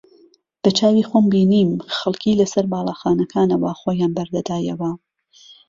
بەچاوی خۆم بینیم خەڵکی لەسەر باڵەخانەکانەوە خۆیان بەردەدایەوە